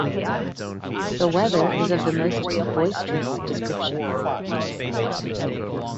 The weather is of the most boisterous description.